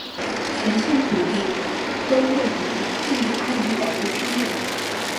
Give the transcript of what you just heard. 全县土地都位于印地安人保护区内。